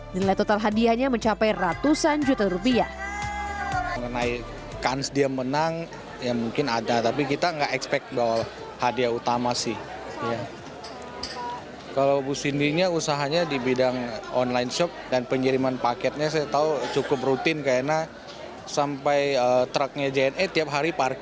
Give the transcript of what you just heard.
nilai total hadiahnya mencapai ratusan juta rupiah